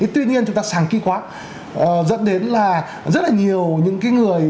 tuy nhiên chúng ta sàng kỳ quá dẫn đến là rất là nhiều những cái người